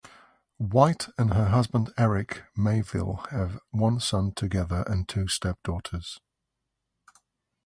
White and her husband Erik Mayville have one son together and two stepdaughters.